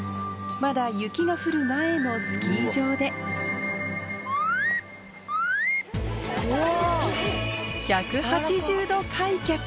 まだ雪が降る前のスキー場で開脚！